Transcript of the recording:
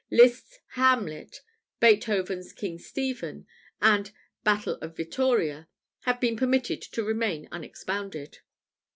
Liszt's "Hamlet," Beethoven's "King Stephen" and "Battle of Vittoria," have been permitted to remain unexpounded.